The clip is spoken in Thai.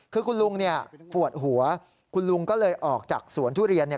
คือคุณลุงฝวดหัวคุณลุงก็เลยออกจากสวนทุเรียน